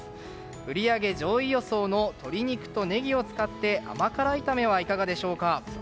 売り上げ上位予想の鶏肉とネギを使って甘辛炒めはいかがでしょうか。